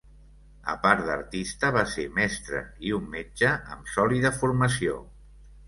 A part d'artista, va ser mestre i un metge amb sòlida formació.